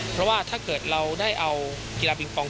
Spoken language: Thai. เพราะว่าถ้าเกิดเราได้เอากีฬาปิงปอง